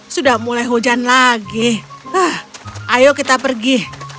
sudah mulai hujan lagi ayo kita pergi